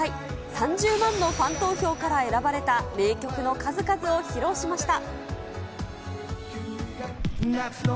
３０万のファン投票から選ばれた名曲の数々を披露しました。